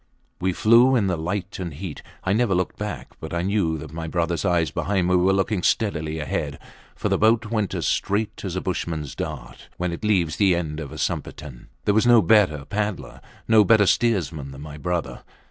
We flew in the light and heat. I never looked back, but I knew that my brothers eyes, behind me, were looking steadily ahead, for the boat went as straight as a bushmans dart, when it leaves the end of the sumpitan. There was no better paddler, no better steersman than my brother.